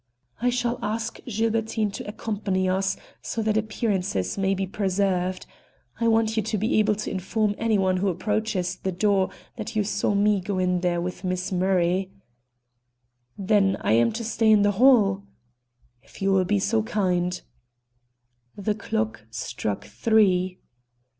"I shall ask Gilbertine to accompany us, so that appearances may be preserved. I want you to be able to inform any one who approaches the door that you saw me go in there with Miss Murray." "Then I am to stay in the hall?" "If you will be so kind." The clock struck three.